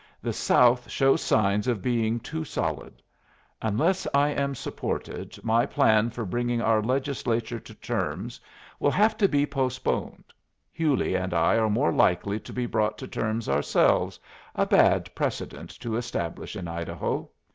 The South shows signs of being too solid. Unless I am supported, my plan for bringing our Legislature to terms will have to be postponed. Hewley and I are more likely to be brought to terms ourselves a bad precedent to establish in Idaho.